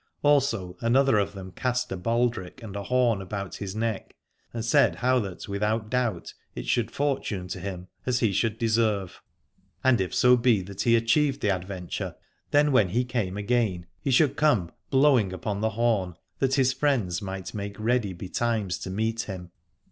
Also another of them cast a baldrick and a horn about his neck, and said how that without doubt it should fortune to him as he should deserve, and if so be that he achieved the adventure then when he came again he should come blowing upon the horn, that his friends might make ready betimes to meet him.